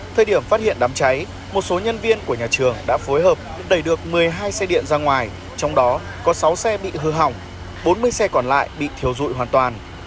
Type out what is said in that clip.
thời điểm phát hiện đám cháy một số nhân viên của nhà trường đã phối hợp đẩy được một mươi hai xe điện ra ngoài trong đó có sáu xe bị hư hỏng bốn mươi xe còn lại bị thiêu dụi hoàn toàn